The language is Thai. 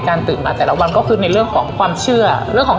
ตื่นมาแต่ละวันก็คือในเรื่องของความเชื่อเรื่องของ